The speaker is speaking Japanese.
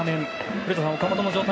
古田さん、岡本の状態